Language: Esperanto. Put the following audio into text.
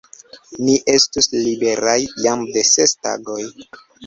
Ni estus liberaj jam de ses tagoj!